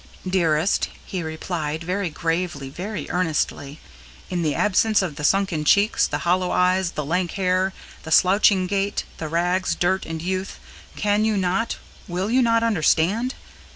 "Dearest," he replied, very gravely, very earnestly, "in the absence of the sunken cheeks, the hollow eyes, the lank hair, the slouching gait, the rags, dirt, and youth, can you not will you not understand?